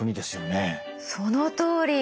そのとおり！